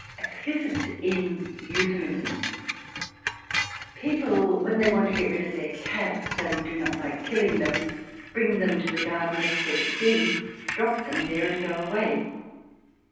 A Clifford's Inn Euphemism People when they want to get rid of their cats, and do not like killing them, bring them to the garden of Clifford's Inn, drop them there and go away.